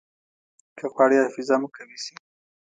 که غواړئ حافظه مو قوي شي.